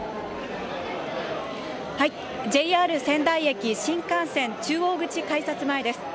ＪＲ仙台駅新幹線中央口改札前です。